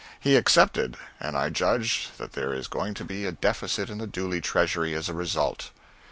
He accepted, and I judge that there is going to be a deficit in the Dooley treasury as a result.